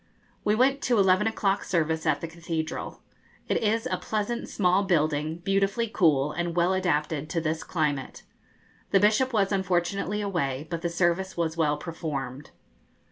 We went to eleven o'clock service at the cathedral. It is a pleasant small building, beautifully cool, and well adapted to this climate. The Bishop was unfortunately away, but the service was well performed.